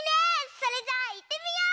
それじゃあいってみよう！